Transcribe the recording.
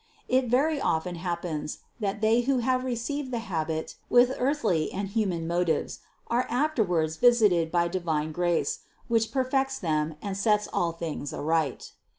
It very often happens, that they who have received the habit with earthly and human motives, are afterwards visited by divine grace, which perfects them and sets all things aright.